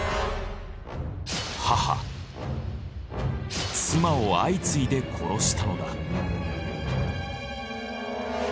母妻を相次いで殺したのだ。